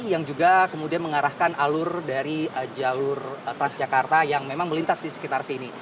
yang juga kemudian mengarahkan alur dari jalur transjakarta yang memang melintas di sekitar sini